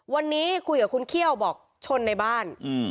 วันนี้คุยกับคุณเขี้ยวบอกชนในบ้าน